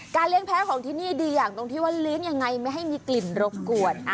เลี้ยงแพ้ของที่นี่ดีอย่างตรงที่ว่าเลี้ยงยังไงไม่ให้มีกลิ่นรบกวน